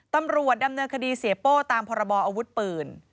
ตำรวจดำเนินคดีเสียโป้ตามพรบออาวุธปืน